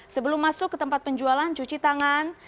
sebelum masuk ke tempat penjualan cuci tangan